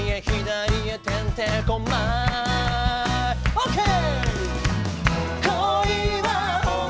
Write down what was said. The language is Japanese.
オーケー！